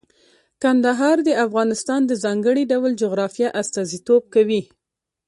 کندهار د افغانستان د ځانګړي ډول جغرافیه استازیتوب کوي.